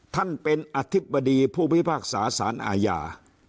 ท่านเป็นอธิบดีผู้พิพากษาสารอาญา